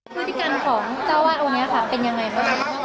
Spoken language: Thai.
พฤติกรรมของเจ้าวาดองค์นี้ค่ะเป็นยังไงบ้าง